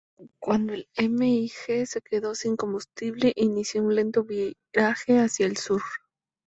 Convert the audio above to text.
Cuando el MiG se quedó sin combustible, inició un lento viraje hacia el sur.